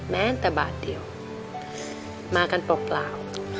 แม้แต่บาทเดียวมากันเปล่า